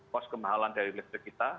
pos kemahalan dari listrik kita